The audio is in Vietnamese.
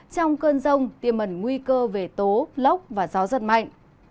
trong cơn rông tiềm mẩn nguy cơ về tố lốc và gió giật mạnh